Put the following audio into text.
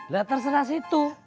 lah terserah situ